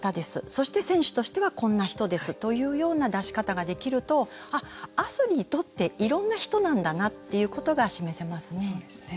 そして選手としてはこんな人ですというような出し方ができるとアスリートっていろんな人なんだなっていうことが示せますね。